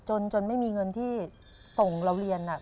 โจรจนไม่มีเงินที่ส่งแล้วเลียนน่ะ